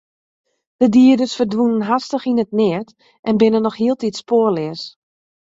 De dieders ferdwûnen hastich yn it neat en binne noch hieltyd spoarleas.